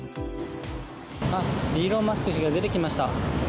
イーロン・マスク氏が出てきました。